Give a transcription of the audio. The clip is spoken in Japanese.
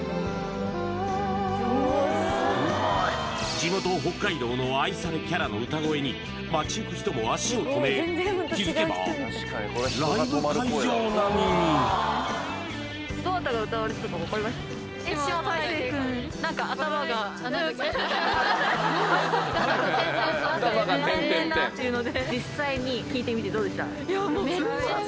地元北海道の愛されキャラの歌声に街ゆく人も足を止め気づけばライブ会場並みにすごいなあんなにアホやったのに？